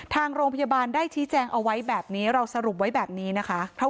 ทางโรงพยาบาลได้ชี้แจงเอาไว้แบบนี้เราสรุปไว้แบบนี้นะคะ